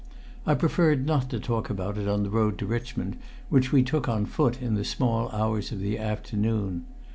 I preferred not to talk about it on the road to Richmond, which we took on foot in the small hours of the afternoon.